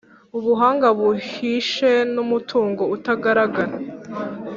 Ubuhanga buhishe n’umutungo utagaragara,